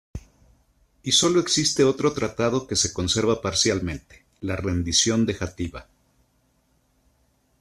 Y solo existe otro tratado que se conserva parcialmente: "La rendición de Játiva".